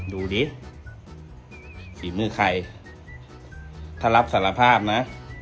ดูดิฝีมือใครถ้ารับสารภาพนะ